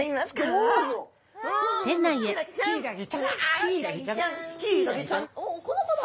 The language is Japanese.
おこの子だ！